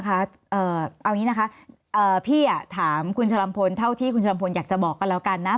เอ่อเอาอย่างงี้นะคะเอ่อพี่อ่ะถามคุณฉลัมพลเท่าที่คุณฉลัมพลอยากจะบอกกันแล้วกันนะ